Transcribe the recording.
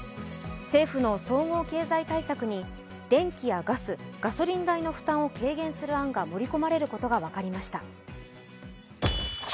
政府の総合経済対策に電気やガス、ガソリン代の負担を軽減する案が、盛り込まれることが分かりました。